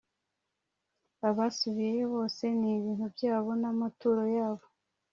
Abasubiyeyo bose n ibintu byabo n amaturo yabo